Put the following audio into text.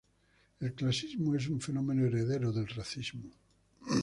El clasismo es un fenómeno heredero del racismo.